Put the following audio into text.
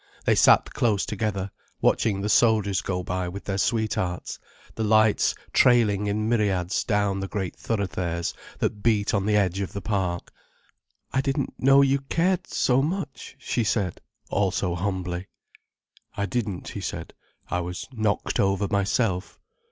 They sat close together, watching the soldiers go by with their sweethearts, the lights trailing in myriads down the great thoroughfares that beat on the edge of the park. "I didn't know you cared so much," she said, also humbly. "I didn't," he said. "I was knocked over myself.